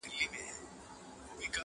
ګورته وړي غریب او خان ګوره چي لا څه کیږي٫